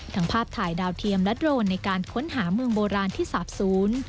ภาพถ่ายดาวเทียมและโดรนในการค้นหาเมืองโบราณที่สาบศูนย์